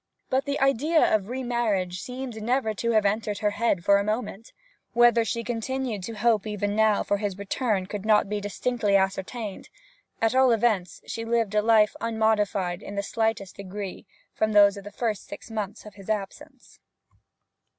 But the idea of remarriage seemed never to have entered her head for a moment. Whether she continued to hope even now for his return could not be distinctly ascertained; at all events she lived a life unmodified in the slightest degree from that of the first six months of his absence.